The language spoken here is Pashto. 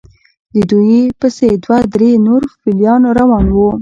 د دوی پسې دوه درې نور فیلان روان وو.